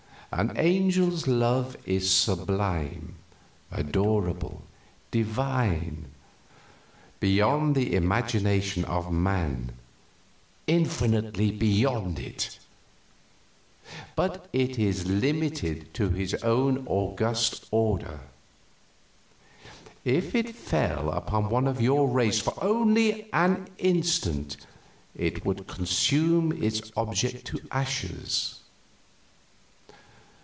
An angel's love is sublime, adorable, divine, beyond the imagination of man infinitely beyond it! But it is limited to his own august order. If it fell upon one of your race for only an instant, it would consume its object to ashes.